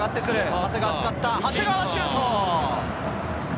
長谷川のシュート！